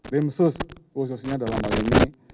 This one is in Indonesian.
tim sus khususnya dalam hal ini